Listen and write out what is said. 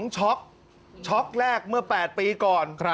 ช็อกช็อกแรกเมื่อ๘ปีก่อน